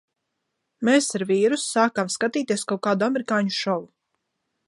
Mēs ar vīrus sākām skatīties kaut kādu amerikāņu šovu.